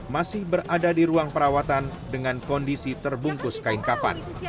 masih berada di ruang perawatan dengan kondisi terbungkus kain kafan